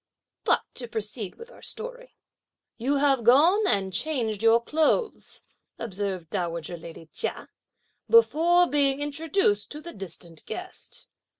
But to proceed with our story. "You have gone and changed your clothes," observed dowager lady Chia, "before being introduced to the distant guest.